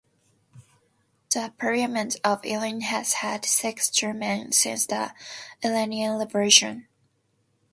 The Parliament of Iran has had six chairmen since the Iranian Revolution.